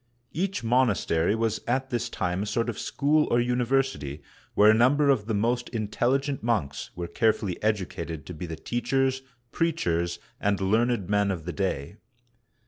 Each monastery was at this time a sort of school or university, where a number of the most intelligent monks were carefully educated to be the teachers, preachers, and learned men of the day.